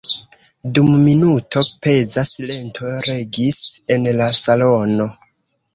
Dum minuto peza silento regis en la salono.